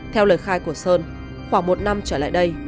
theo lời khai của sơn khoảng một năm trở lại đây